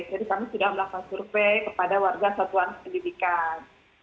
jadi kami sudah melakukan survei kepada warga satuan pendidikan